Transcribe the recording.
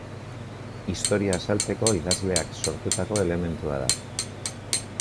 Historia azaltzeko idazleak sortutako elementua da.